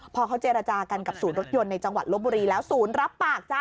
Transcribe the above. พอเขาเจรจากันกับศูนย์รถยนต์ในจังหวัดลบบุรีแล้วศูนย์รับปากจ้า